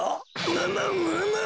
むむむむむ。